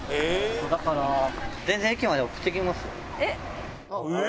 だから全然駅まで送っていきますよ。